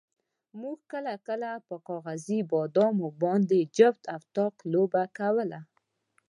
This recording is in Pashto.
موږ کله کله په کاغذي بادامو باندې جفت او طاق لوبه کوله.